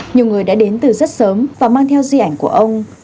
nhiều người đã đến từ rất sớm và mang theo di ảnh của ông